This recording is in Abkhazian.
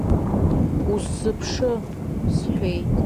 Усзыԥшы, – сҳәеит…